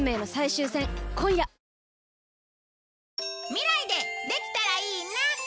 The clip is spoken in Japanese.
未来でできたらいいな。